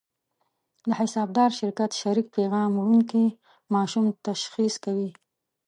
د حسابدار شرکت شریک پیغام وړونکي ماشوم تشخیص کوي.